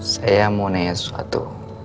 saya mau nanya sesuatu